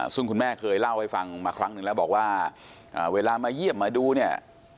ซึ่งคุณแม่เคยเล่าให้ฟังมาครั้งหนึ่งแล้วบอกว่าเวลามาเยี่ยมมาดูเนี่ย